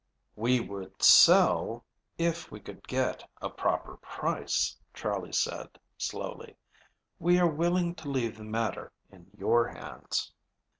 "We would sell, if we could get a proper price," Charley said slowly. "We are willing to leave the matter in your hands."